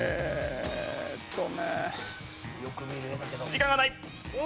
時間がない！